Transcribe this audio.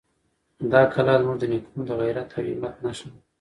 دا کلا زموږ د نېکونو د غیرت او همت نښه ده.